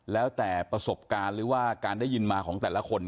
แล้วแต่ประสบการณ์หรือว่าการได้ยินมาของแต่ละคน